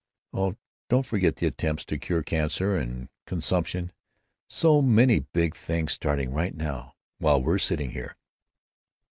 Oh! Don't forget the attempts to cure cancer and consumption. So many big things starting right now, while we're sitting here."